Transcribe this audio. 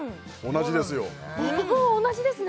同じですね！